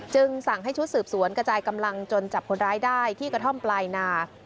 สั่งให้ชุดสืบสวนกระจายกำลังจนจับคนร้ายได้ที่กระท่อมปลายนา